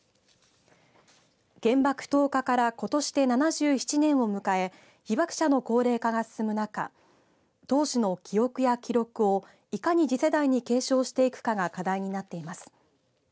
原爆投下からことしで７７年を迎え被爆者の高齢化が進む中当時の記憶や記録をいかに次世代に継承していくかが課題になっています。